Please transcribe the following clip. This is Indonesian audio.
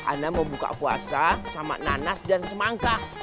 anda mau buka puasa sama nanas dan semangka